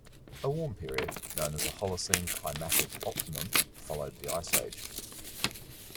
A warm period, known as the Holocene climatic optimum, followed the ice age.